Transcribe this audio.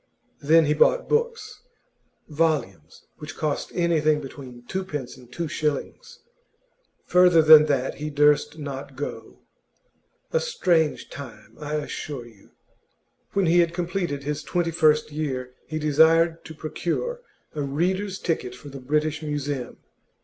Then he bought books volumes which cost anything between twopence and two shillings; further than that he durst not go. A strange time, I assure you. When he had completed his twenty first year, he desired to procure a reader's ticket for the British Museum.